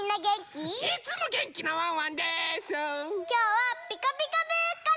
きょうは「ピカピカブ！」から！